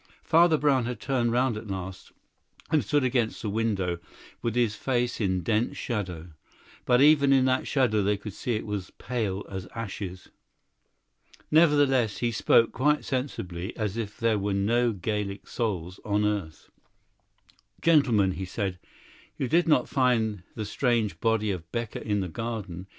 Father Brown had turned round at last, and stood against the window, with his face in dense shadow; but even in that shadow they could see it was pale as ashes. Nevertheless, he spoke quite sensibly, as if there were no Gaelic souls on earth. "Gentlemen," he said, "you did not find the strange body of Becker in the garden.